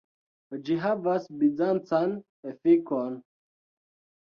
Ĝi havas bizancan efikon.